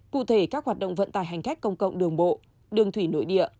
cụ thể các hoạt động vận tải hành khách công cộng đường bộ đường thủy nội địa